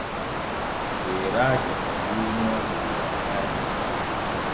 Yeeraajo e luumoo der wanŋarde.